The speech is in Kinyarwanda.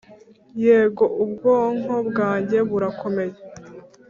yego ubwonko bwanjye burakomeye